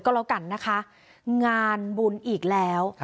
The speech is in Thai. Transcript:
ก็แล้วกันนะคะงานบุญอีกแล้ว